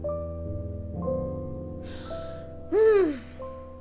うん！